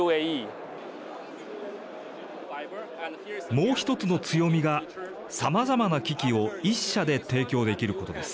もう１つの強みがさまざまな機器を１社で提供できることです。